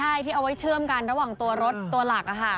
ใช่ที่เอาไว้เชื่อมกันระหว่างตัวรถตัวหลัก